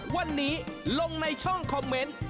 วันนี้ลงในช่องคอมเมนต์